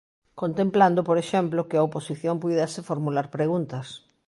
Contemplando, por exemplo, que a oposición puidese formular preguntas.